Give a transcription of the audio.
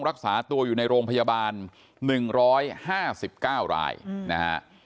รักษาตัวอยู่ในโรงพยาบาลหนึ่งร้อยห้าสิบเก้ารายนะฮะ